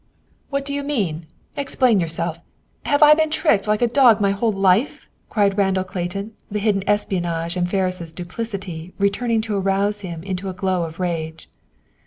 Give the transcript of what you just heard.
"What do you mean? Explain yourself! Have I been tricked like a dog my whole life?" cried Randall Clayton, the hidden espionage and Ferris' duplicity returning to arouse him into a glow of rage.